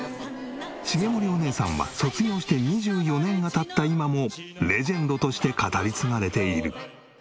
茂森おねえさんは卒業して２４年が経った今もレジェンドとして語り継がれている。